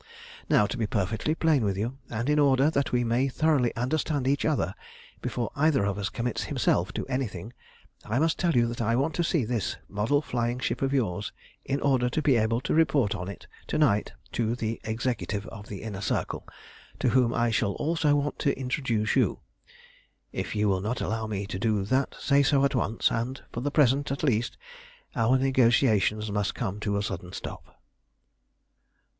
"Now, to be perfectly plain with you, and in order that we may thoroughly understand each other before either of us commits himself to anything, I must tell you that I want to see this model flying ship of yours in order to be able to report on it to night to the Executive of the Inner Circle, to whom I shall also want to introduce you. If you will not allow me to do that say so at once, and, for the present at least, our negotiations must come to a sudden stop."